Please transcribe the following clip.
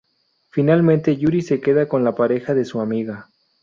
Finalmente Yuri se queda con la pareja de su amiga.